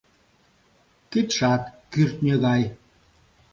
Кидшат кӱртньӧ гай.